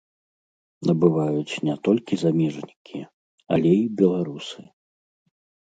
Набываюць не толькі замежнікі, але і беларусы.